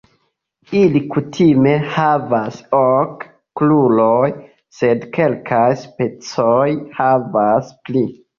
Ili kutime havas ok kruroj, sed kelkaj specoj havas pli.